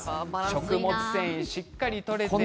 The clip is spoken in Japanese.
食物繊維をしっかりとれています。